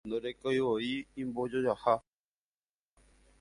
Ndorekoivoi imbojojaha